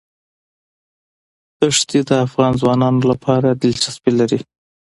ښتې د افغان ځوانانو لپاره دلچسپي لري.